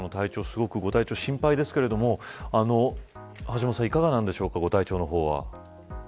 すごく心配ですけれども橋本さん、いかがなんでしょうかご体調の方は。